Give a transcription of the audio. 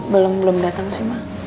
belum datang sih ma